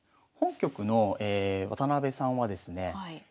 本局の渡部さんはですね